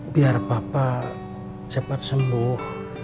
biar papa cepat sembuh